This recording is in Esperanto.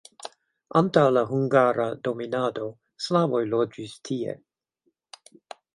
Antaŭ la hungara dominado slavoj loĝis tie.